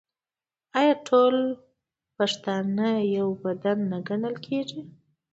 آیا ټول پښتانه یو بدن نه ګڼل کیږي؟